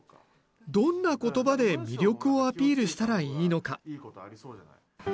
どんな言葉で魅力をアピールしたらいいのか。